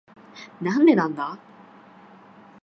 なんでなんだ？